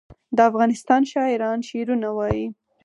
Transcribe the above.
د افغانستان شاعران شعرونه وايي